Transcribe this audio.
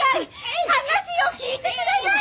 話を聞いてください！